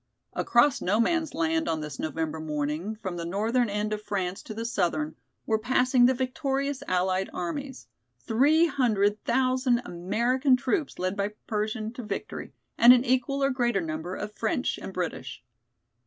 Across No Man's land on this November morning, from the northern end of France to the southern, were passing the victorious allied armies, three hundred thousand American troops led by Pershing to victory, and an equal or greater number of French and British.